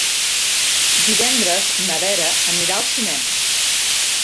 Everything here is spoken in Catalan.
Divendres na Vera anirà al cinema.